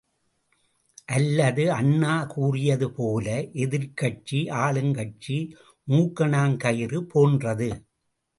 அல்லது அண்ணா கூறியது போல, எதிர்க்கட்சி, ஆளுங்கட்சிக்கு மூக்கணாங்கயிறு போன்றது.